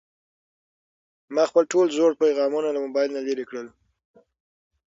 ما خپل ټول زوړ پيغامونه له موبایل نه لرې کړل.